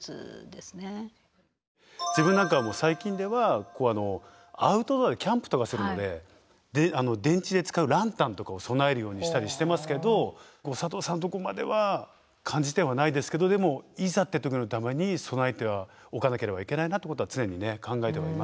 自分なんかはもう最近ではアウトドアでキャンプとかするので電池で使うランタンとかを備えるようにしたりしてますけど佐藤さんとこまでは感じてはないですけどでもいざっていう時のために備えてはおかなければいけないなってことは常に考えてはいますけどね。